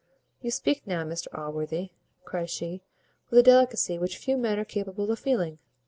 "You speak now, Mr Allworthy," cries she, "with a delicacy which few men are capable of feeling!